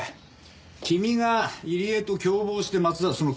君が入江と共謀して松田を。